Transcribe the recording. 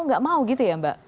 nggak mau gitu ya mbak